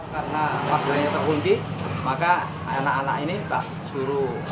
karena warganya terkunci maka anak anak ini suruh